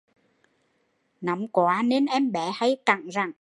Nóng quá nên em bé hay cẳn rẳn